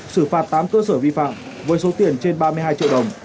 xử phạt tám cơ sở vi phạm với số tiền trên ba mươi hai triệu đồng